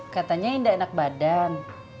katanya indah enak badan